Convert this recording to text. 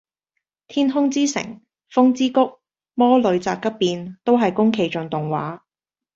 天空之城，風之谷，魔女宅急便，都係宮崎駿動畫